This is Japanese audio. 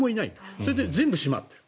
それで全部閉まっている。